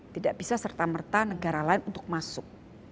tidak bisa serta merta negara lain untuk masuk